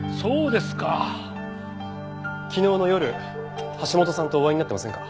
昨日の夜橋本さんとお会いになってませんか？